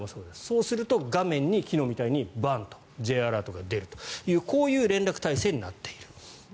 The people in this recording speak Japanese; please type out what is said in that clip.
そうすると、画面に昨日みたいにバンッとＪアラートが出るというこういう連絡体制になっている。